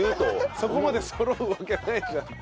そこまでそろうわけないじゃんって。